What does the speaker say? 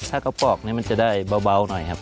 ถ้ากระปอกนี้มันจะได้เบาหน่อยครับ